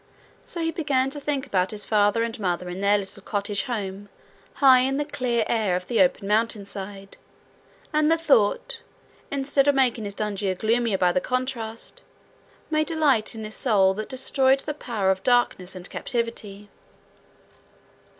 So he began to think about his father and mother in their little cottage home, high in the clear air of the open Mountainside, and the thought, instead of making his dungeon gloomier by the contrast, made a light in his soul that destroyed the power of darkness and captivity.